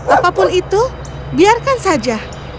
apapun itu biarkan saja